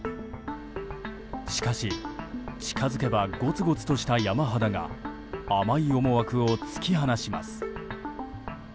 しかし、近づけばゴツゴツとした山肌が甘い思惑を突き放します。